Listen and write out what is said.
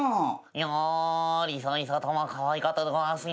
いやリサリサたまかわいかったでございますね。